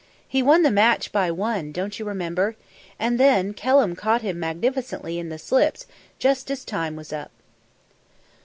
He won the match by one, don't you remember? And then Kelham caught him magnificently in the slips just as time was up."